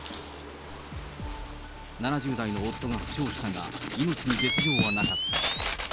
７０代の夫が負傷したが、命に別状はなかった。